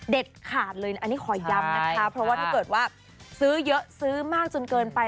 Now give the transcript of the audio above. ขาดเลยอันนี้ขอย้ำนะคะเพราะว่าถ้าเกิดว่าซื้อเยอะซื้อมากจนเกินไป